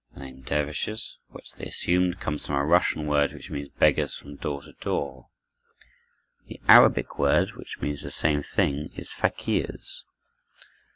The name "dervishes," which they assumed, comes from a Russian word which means "beggars from door to door." The Arabic word which means the same thing is "fakirs."